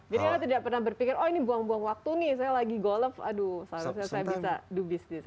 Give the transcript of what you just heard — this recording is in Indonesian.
anda tidak pernah berpikir oh ini buang buang waktu nih saya lagi golf aduh seharusnya saya bisa do business